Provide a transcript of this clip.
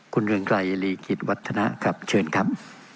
คุณเรืองไกรลีกิจวัฒนะครับเชิญครับ